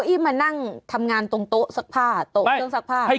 เดี๋ยวน่ะซูมใกล้สักนิดหน่อย